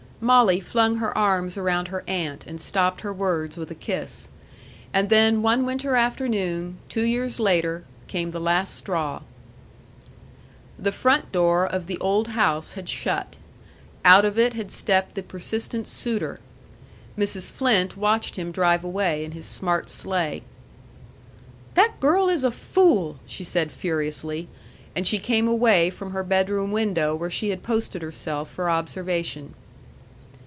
Molly flung her arms around her aunt, and stopped her words with a kiss. And then one winter afternoon, two years later, came the last straw. The front door of the old house had shut. Out of it had stepped the persistent suitor. Mrs. Flynt watched him drive away in his smart sleigh. "That girl is a fool!" she said furiously; and she came away from her bedroom window where she had posted herself for observation.